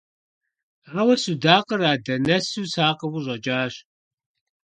Ауэ судакъыр адэ нэсу, сакъыу къыщӀэкӀащ.